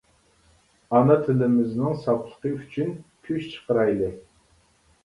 ئانا تىلىمىزنىڭ ساپلىقى ئۈچۈن كۈچ چىقىرايلى!